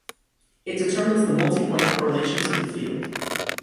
It determines all the multipoint correlations of the field.